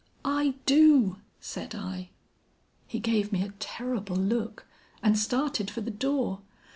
"'I do,' said I. "He gave me a terrible look and started for the door.